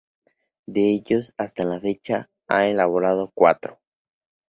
De ellos, hasta la fecha, ha elaborado cuatro.